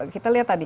kita lihat tadi